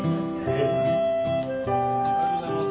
ありがとうございます。